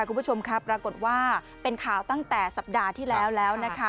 คุณผู้ชมครับปรากฏว่าเป็นข่าวตั้งแต่สัปดาห์ที่แล้วแล้วนะคะ